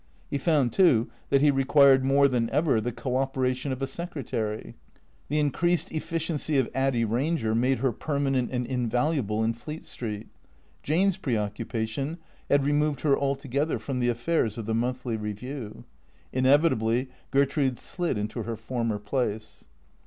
He found, too, that he required more than ever the co operation of a secretary. The increased efficiency of x4.ddy Ranger made her permanent and invaluable in Fleet Street. Jane's preoccupation had removed her altogether from the affairs of the " Monthly Review." Inevitably Gertrude slid into her former place.